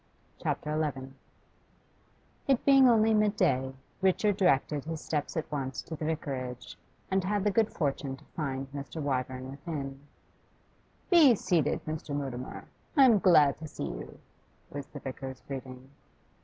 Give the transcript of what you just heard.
CHAPTER XI It being only midday, Richard directed his steps at once to the Vicarage, and had the good fortune to find Mr. Wyvern within. 'Be seated, Mr. Mutimer; I'm glad to see you,' was the vicar's greeting.